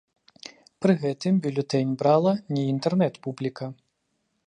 Пры гэтым бюлетэнь брала не інтэрнэт-публіка.